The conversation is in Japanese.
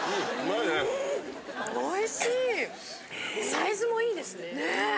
・サイズもいいですね・・ねえ！